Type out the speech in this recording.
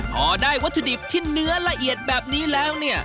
พอได้วัตถุดิบที่เนื้อละเอียดแบบนี้แล้วเนี่ย